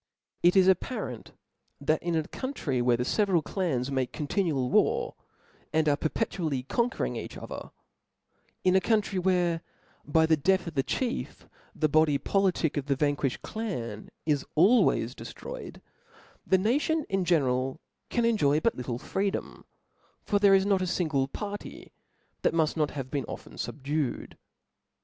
It is apparent, that in a country where the fe veral clans make continual war^ and are perpetu ally conquering each other ; in a country, where by the death of the chief, the body politic of the vanquifhed clan is always deftroyed^ the nation in general can enjoy but little freedom : for there is not a fingle party that muft not have been often fubdued.